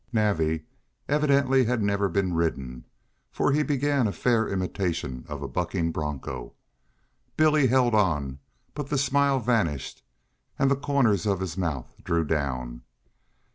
Navvy evidently had never been ridden, for he began a fair imitation of a bucking bronco. Billy held on, but the smile vanished and the corners of his mouth drew down.